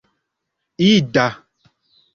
ida